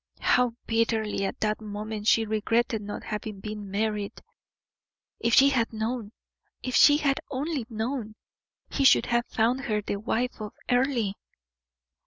How bitterly at that moment she regretted not having been married! If she had known if she had only known, he should have found her the wife of Earle!